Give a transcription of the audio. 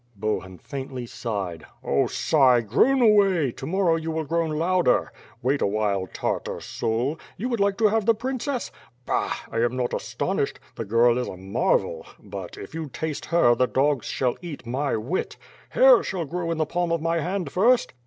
J3ohun faintly sighed. "Oh sigh, groan away; to morrow you will groan louder! Wait awhile, Tartar soul, you would like to have the prin cess? Bah! I am not astonished. The girl is a marvel, but if you taste her the dogs shall eat my wit. Hair shall grow in the palm of my hand first